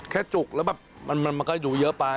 จุกแล้วแบบมันก็อยู่เยอะไป